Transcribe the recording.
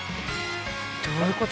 どういうこと？